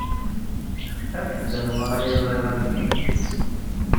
Afet-d anwa ay ẓriɣ ass-a.